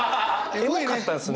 エモかったんすね！